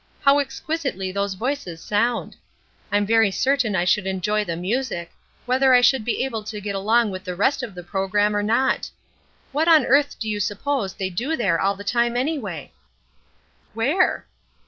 How exquisitely those voices sound! I'm very certain I should enjoy the music, whether I should be able to get along with the rest of the programme or not. What on earth do you suppose they do there all the time, anyway?" "Where?"